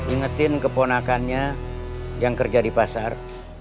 ingetin keponakannya yang kerja di pasar